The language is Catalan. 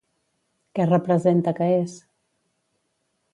Què representa que és?